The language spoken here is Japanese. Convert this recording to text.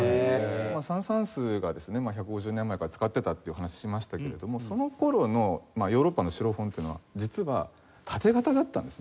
サン＝サーンスがですね１５０年前から使っていたっていう話しましたけれどもその頃のヨーロッパのシロフォンっていうのは実は縦型だったんですね。